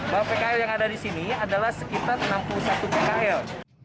bahwa pkl yang ada di sini adalah sekitar enam puluh satu pkl